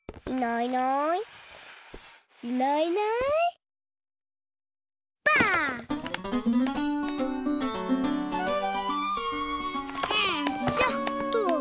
よいしょっと。